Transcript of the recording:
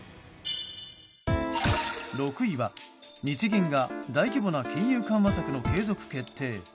６位は、日銀が大規模な金融緩和策の継続決定。